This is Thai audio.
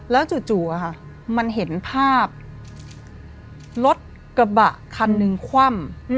แล้วจู่มันเห็นภาพรถกระบะคันหนึ่งคว่ำ